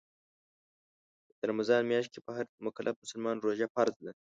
د رمضان میاشت کې په هر مکلف مسلمان روژه فرض ده